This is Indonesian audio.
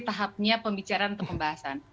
tahapnya pembicaraan atau pembahasan